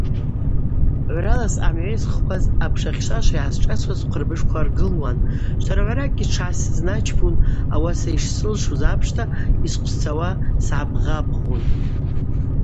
Гӏврала съагӏамгӏвайсхуаз апша хьшвашва йнасшӏасуаз схъвырбышква аргылуан, шварагӏваракӏгьи тшгӏасызначпун, ауаса йшсылшуз апшта йскъвсцауа сгӏабгъабгъун.